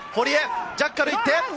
ジャッカルに行って。